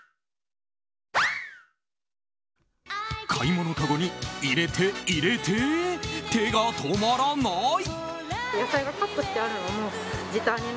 買い物かごに、入れて、入れて手が止まらない！